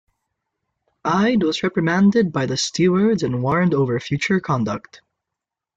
Ide was reprimanded by the stewards and warned over future conduct.